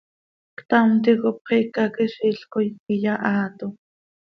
Ctam ticop xicaquiziil coi iyahaato.